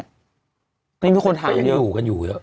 ก็ยังมีคนถามเยอะก็ยังอยู่กันอยู่เยอะ